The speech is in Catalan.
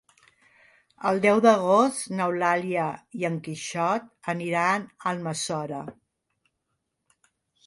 El deu d'agost n'Eulàlia i en Quixot aniran a Almassora.